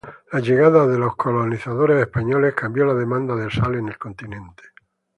La llegada de los colonizadores españoles cambió la demanda de sal en el continente.